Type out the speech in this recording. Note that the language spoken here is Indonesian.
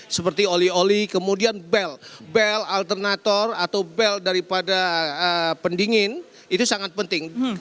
seperti oli oli kemudian bel alternatif atau bel daripada pendingin itu sangat penting